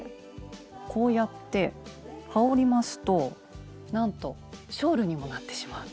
こうやって羽織りますとなんとショールにもなってしまうという。